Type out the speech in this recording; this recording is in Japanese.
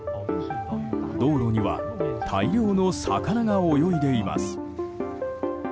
道路には大量の魚が泳いでいます。